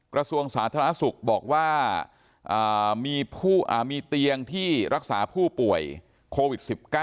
กระทรวงสาธารณสุขบอกว่ามีเตียงที่รักษาผู้ป่วยโควิด๑๙